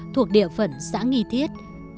thuộc địa phận xã nghi thiết